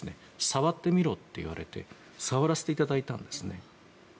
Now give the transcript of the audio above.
触ってみろと言われて触らせていただいたんですね。